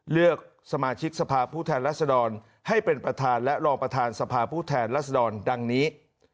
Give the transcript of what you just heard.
เลือกสมาชิกสภาพผู้แทนรัศดรให้เป็นประธานและรองประธานสภาผู้แทนรัศดรดังนี้